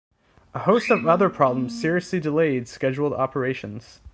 A host of other problems seriously delayed scheduled operations.